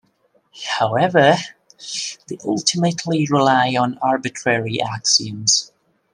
However, they ultimately rely on arbitrary axioms.